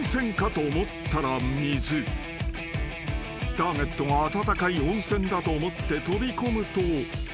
［ターゲットが温かい温泉だと思って飛び込むと］